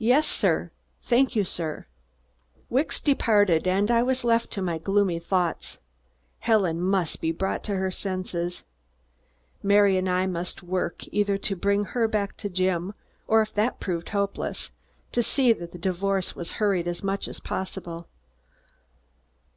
"Yes, sir. Thank you, sir!" Wicks departed and I was left to my gloomy thoughts. Helen must be brought to her senses. Mary and I must work, either to bring her back to Jim, or, if that prove hopeless, to see that the divorce was hurried as much as possible.